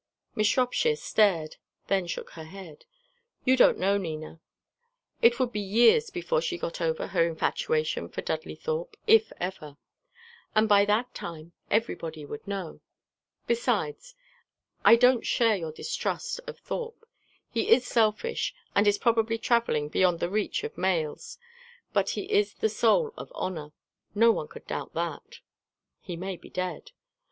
Miss Shropshire stared, then shook her head. "You don't know Nina. It would be years before she got over her infatuation for Dudley Thorpe, if ever; and by that time everybody would know. Besides, I don't share your distrust of Thorpe. He is selfish, and is probably travelling beyond the reach of mails; but he is the soul of honour: no one could doubt that." "He may be dead."